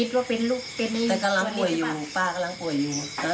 แต่กำลังป่วยอยู่ป้ากำลังป่วยอยู่